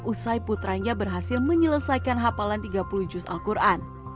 usai putranya berhasil menyelesaikan hafalan tiga puluh juz al quran